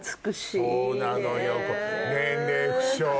そうなのよ。